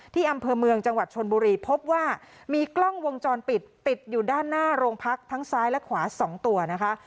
ที่อำเภอเมืองจังหวัดชนบุรีพบว่ามีกล้องวงจรปิดติดอยู่ด้านหน้าโรงพักทั้งซ้ายและขวา๒ตัวนะคะ